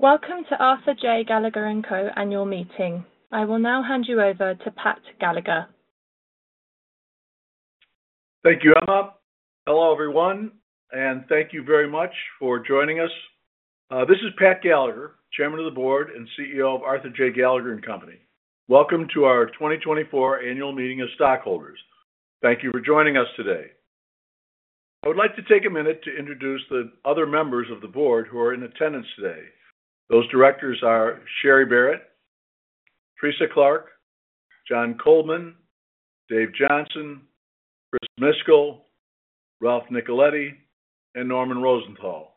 Welcome to Arthur J. Gallagher & Co. annual meeting. I will now hand you over to Pat Gallagher. Thank you, Emma. Hello, everyone, and thank you very much for joining us. This is Pat Gallagher, Chairman of the Board and CEO of Arthur J. Gallagher & Co. Welcome to our 2024 Annual Meeting of Stockholders. Thank you for joining us today. I would like to take a minute to introduce the other members of the board who are in attendance today. Those directors are Sherry S. Barrat, Teresa H. Clarke, John L. Coldman, David S. Johnson, Christopher C. Miskel, Ralph J. Nicoletti, and Norman L. Rosenthal.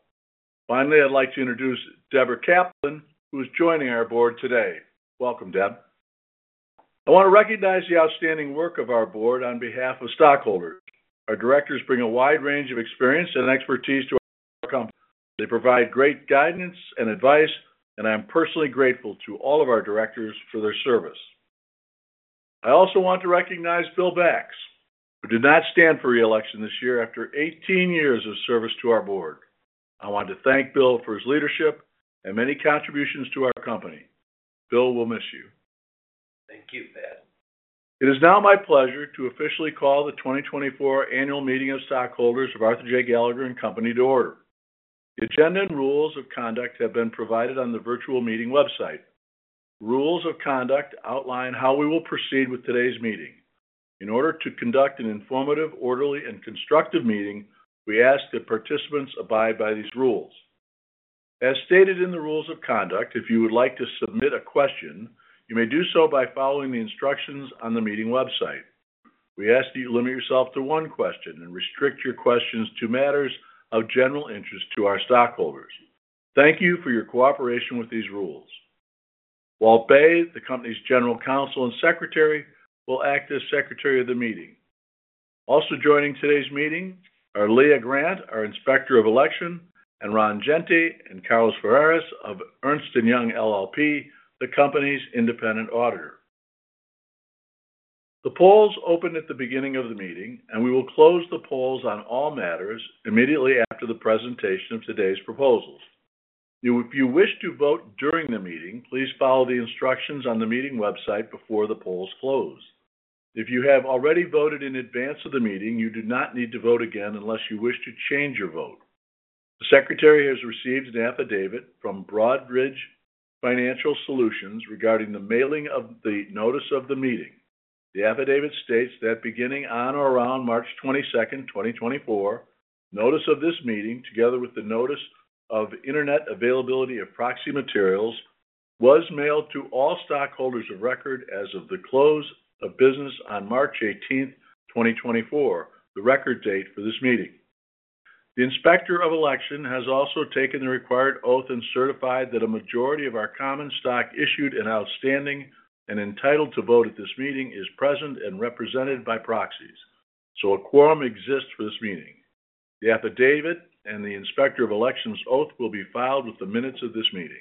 Finally, I'd like to introduce Deborah J. Caplan, who is joining our board today. Welcome, Deb. I want to recognize the outstanding work of our board on behalf of stockholders. Our directors bring a wide range of experience and expertise to our company. They provide great guidance and advice, and I'm personally grateful to all of our directors for their service. I also want to recognize Bill Bax, who did not stand for reelection this year after 18 years of service to our board. I want to thank Bill for his leadership and many contributions to our company. Bill, we'll miss you. Thank you, Pat. It is now my pleasure to officially call the 2024 Annual Meeting of Stockholders of Arthur J. Gallagher & Co. to order. The agenda and rules of conduct have been provided on the virtual meeting website. Rules of conduct outline how we will proceed with today's meeting. In order to conduct an informative, orderly, and constructive meeting, we ask that participants abide by these rules. As stated in the rules of conduct, if you would like to submit a question, you may do so by following the instructions on the meeting website. We ask that you limit yourself to one question and restrict your questions to matters of general interest to our stockholders. Thank you for your cooperation with these rules. Walt Bay, the company's General Counsel and Secretary, will act as secretary of the meeting. Also joining today's meeting are Leah Grant, our Inspector of Election, and Ron Ginty and Carlos Ferraris of Ernst & Young LLP, the company's independent auditor. The polls opened at the beginning of the meeting, and we will close the polls on all matters immediately after the presentation of today's proposals. If you wish to vote during the meeting, please follow the instructions on the meeting website before the polls close. If you have already voted in advance of the meeting, you do not need to vote again unless you wish to change your vote. The secretary has received an affidavit from Broadridge Financial Solutions regarding the mailing of the notice of the meeting. The affidavit states that beginning on or around March 22, 2024, notice of this meeting, together with the notice of internet availability of proxy materials, was mailed to all stockholders of record as of the close of business on March 18, 2024, the record date for this meeting. The Inspector of Election has also taken the required oath and certified that a majority of our common stock issued and outstanding and entitled to vote at this meeting is present and represented by proxies. A quorum exists for this meeting. The affidavit and the Inspector of Election's oath will be filed with the minutes of this meeting.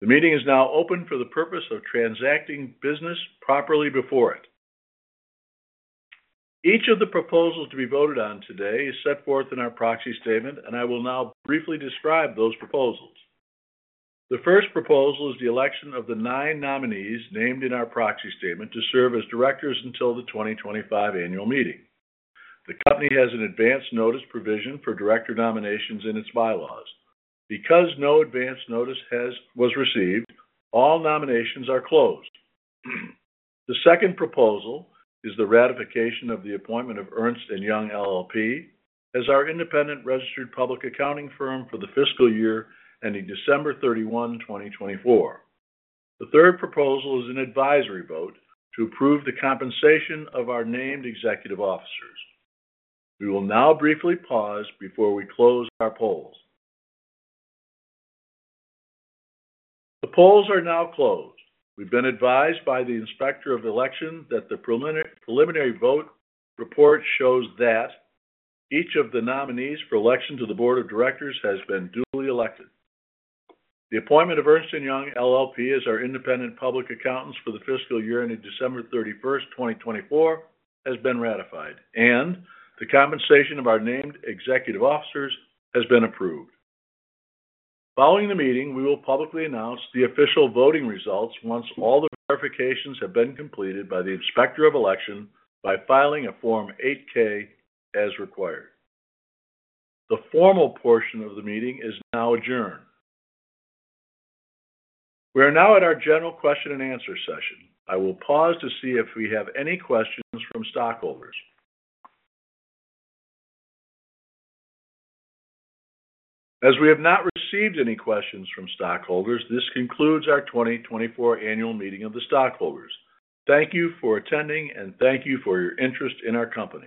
The meeting is now open for the purpose of transacting business properly before it. Each of the proposals to be voted on today is set forth in our proxy statement, and I will now briefly describe those proposals. The first proposal is the election of the nine nominees named in our proxy statement to serve as directors until the 2025 annual meeting. The company has an advanced notice provision for director nominations in its bylaws. Because no advance notice has been received, all nominations are closed. The second proposal is the ratification of the appointment of Ernst & Young LLP as our independent registered public accounting firm for the fiscal year ending December 31, 2024. The third proposal is an advisory vote to approve the compensation of our named executive officers. We will now briefly pause before we close our polls. The polls are now closed. We've been advised by the Inspector of Election that the preliminary vote report shows that each of the nominees for election to the board of directors has been duly elected. The appointment of Ernst & Young LLP as our independent public accountants for the fiscal year ending December 31, 2024, has been ratified, and the compensation of our named executive officers has been approved. Following the meeting, we will publicly announce the official voting results once all the verifications have been completed by the Inspector of Election by filing a Form 8-K as required. The formal portion of the meeting is now adjourned. We are now at our general question and answer session. I will pause to see if we have any questions from stockholders. As we have not received any questions from stockholders, this concludes our 2024 annual meeting of the stockholders. Thank you for attending, and thank you for your interest in our company.